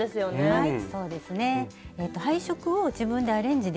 はい。